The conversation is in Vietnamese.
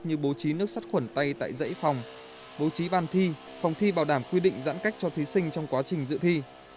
như bố trí nước sắt khuẩn tay tại dãy phòng bố trí ban thi phòng thi bảo đảm quy định giãn cách cho thí sinh trong quá trình dự thi